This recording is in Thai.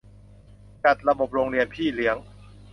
จัดระบบโรงเรียนพี่เลี้ยง